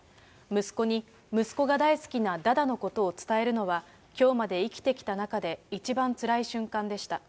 息子に息子が大好きなダダのことを伝えるのは、きょうまで生きてきた中で一番つらい瞬間でした。